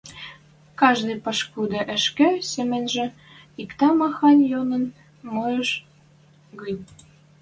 Каждый пашкуды ӹшке семӹньжӹ иктӓ-махань йӧнӹм моэш гӹнь